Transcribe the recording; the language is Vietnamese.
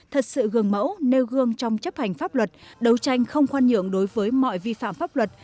thật sự gương mẫu nêu gương trong chấp hành pháp luật đấu tranh không khoan nhượng đối với mọi vi phạm pháp luật